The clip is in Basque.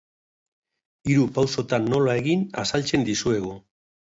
Hiru pausotan nola egin azaltzen dizuegu.